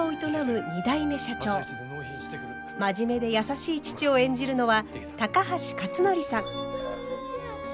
真面目で優しい父を演じるのは高橋克典さん。